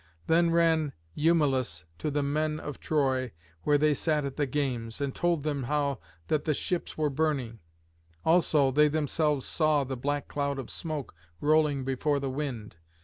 Then ran Eumelus to the men of Troy where they sat at the games, and told them how that the ships were burning; also they themselves saw the black cloud of smoke rolling before the wind.